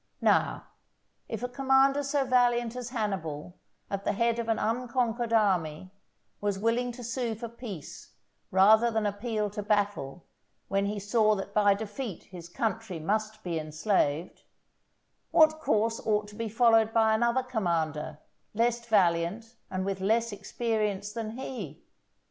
Now, if a commander so valiant as Hannibal, at the head of an unconquered army, was willing to sue for peace rather than appeal to battle when he saw that by defeat his country must be enslaved, what course ought to be followed by another commander, less valiant and with less experience than he?